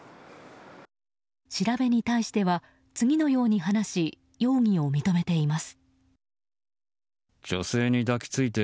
調べに対しては次のように話し容疑を認めています。